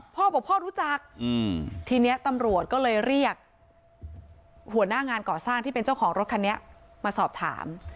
พ่อบอกพ่อรู้จักทีนี้ตำรวจก็เลยเรียกหัวหน้างานก่อสร้างที่เป็นเจ้าของรถคันนี้มาสอบถาม